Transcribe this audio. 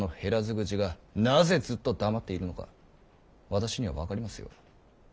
私には分かりますよ。